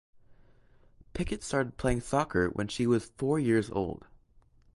Pickett started playing soccer when she was four years old.